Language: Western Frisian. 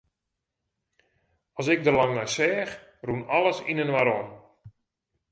As ik der lang nei seach, rûn alles yninoar om.